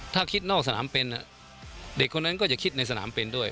ถ้าคิดนอกสนามเป็นเด็กคนนั้นก็จะคิดในสนามเป็นด้วย